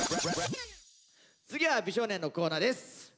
次は美少年のコーナーです。